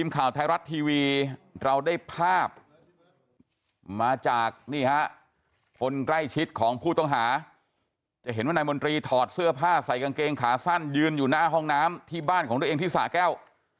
ก็เลยเรากำลังพิจารณาห้องน้ำที่บ้านของโดยเองที่ส่าแก้ว